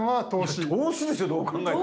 いや投資ですよどう考えても。